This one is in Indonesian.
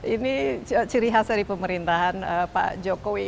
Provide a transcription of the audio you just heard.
ini ciri khas dari pemerintahan pak jokowi